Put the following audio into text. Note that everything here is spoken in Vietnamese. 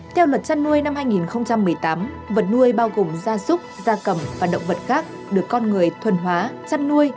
theo luật chăn nuôi năm hai nghìn một mươi tám vật nuôi bao gồm gia súc gia cầm và động vật khác được con người thuần hóa chăn nuôi